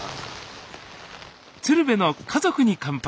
「鶴瓶の家族に乾杯」